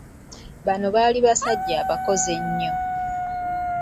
Bano baali basajja abakozi ennyo.